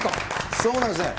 そうなんですね。